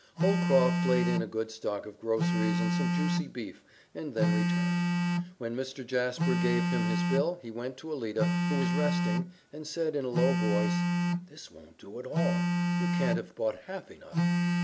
Holcroft laid in a good stock of groceries and some juicy beef and then returned. When Mr. Jasper gave him his bill, he went to Alida, who was resting, and said in a low voice, "This won't do at all. You can't have bought half enough."